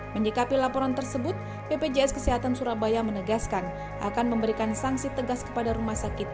menyikapi laporan tersebut bpjs kesehatan surabaya menegaskan akan memberikan sanksi tegas kepada rumah sakit